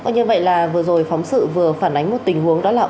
như vậy là vừa rồi phóng sự vừa phản ánh một tình huống đó là